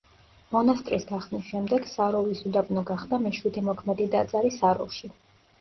მონასტრის გახსნის შემდეგ საროვის უდაბნო გახდა მეშვიდე მოქმედი ტაძარი საროვში.